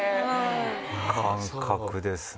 感覚ですね。